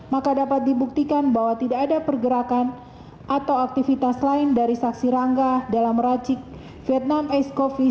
maka dapat dibuktikan bahwa tidak ada pergerakan atau aktivitas lain dari saksi rangga dalam meracik vietnam ice coffee